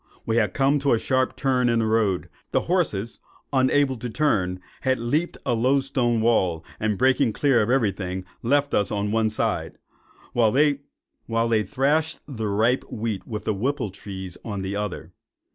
We had come to a sharp turn in the road; and the horses, unable to turn, had leaped a low stone wall, and breaking clear of every thing, left us on one side, while they thrashed the ripe wheat with the whippletrees on the other.